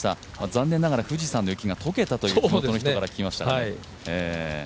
残念ながら富士山の雪が解けたと地元の人から聞きました。